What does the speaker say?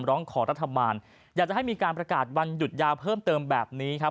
ร้องขอรัฐบาลอยากจะให้มีการประกาศวันหยุดยาวเพิ่มเติมแบบนี้ครับ